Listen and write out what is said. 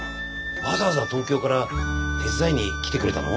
わざわざ東京から手伝いに来てくれたの？